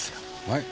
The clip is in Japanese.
はい？